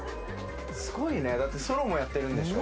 スゴいねだってソロもやってるんでしょ？